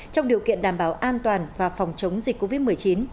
trong điều kiện đảm bảo an toàn và phòng chống dịch covid một mươi chín